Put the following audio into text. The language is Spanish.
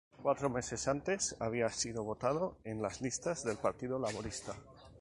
Cuatro meses antes, había sido votado en las Listas del Partido Laborista.